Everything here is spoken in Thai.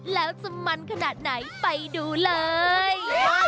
แล้วจะมันขนาดไหนไปดูเลย